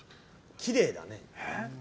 きれいだね。